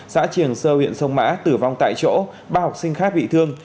xã triềng sơ huyện sông mã tử vong tại chỗ ba học sinh khác bị thương